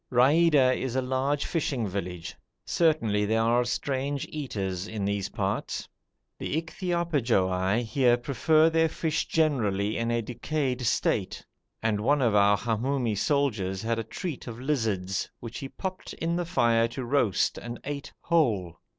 Raida is a large fishing village. Certainly there are strange eaters in these parts. The Ichthyophagoi here prefer their fish generally in a decayed state; and one of our Hamoumi soldiers had a treat of lizards, which he popped in the fire to roast and ate whole.